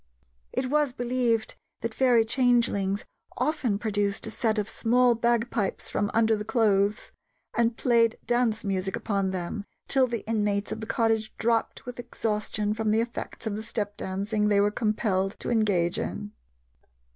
It was believed that fairy changelings often produced a set of small bagpipes from under the clothes and played dance music upon them, till the inmates of the cottage dropped with exhaustion from the effects of the step dancing they were compelled to engage in.